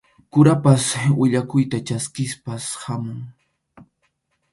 Kurapas willakuyta chaskispas hamun.